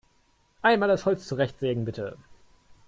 Einmal das Holz zurechtsägen, bitte!